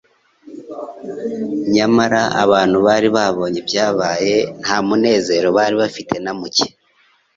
Nyamara abantu bari babonye ibyabaye, nta munezero bari bafite na muke.